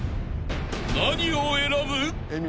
［何を選ぶ？］